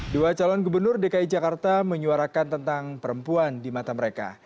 dua calon gubernur dki jakarta menyuarakan tentang perempuan di mata mereka